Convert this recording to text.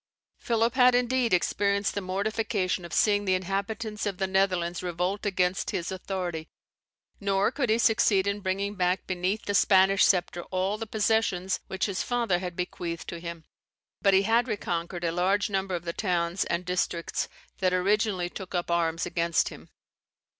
Philip had, indeed, experienced the mortification of seeing the inhabitants of the Netherlands revolt against his authority, nor could he succeed in bringing back beneath the Spanish sceptre all the possessions which his father had bequeathed to him. But he had reconquered a large number of the towns and districts that originally took up arms against him.